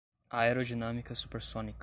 aerodinâmica supersônica